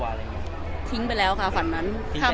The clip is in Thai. ยังต้องเป้าอยู่ไหมคะว่าอายุเท่าไหร่ถึงจะมีชีวิตครอบครัว